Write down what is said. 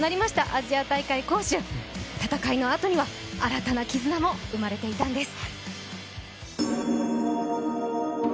アジア大会杭州戦いのあとには新たな絆も生まれていたんです。